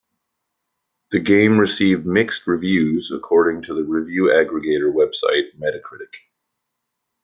The game received "mixed" reviews according to the review aggregator website Metacritic.